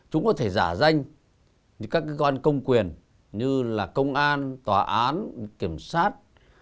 chúng có thể giả danh các cơ quan công quyền như là công an tòa án kiểm soát